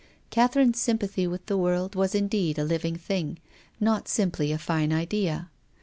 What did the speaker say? Catherine's sympathy with the world was indeed a living thing, not simply a fine idea.